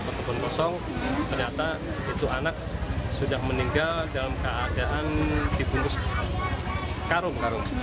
ketepun kosong ternyata itu anak sudah meninggal dalam keadaan di bungkus karung beris